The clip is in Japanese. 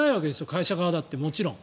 会社側だってもちろん。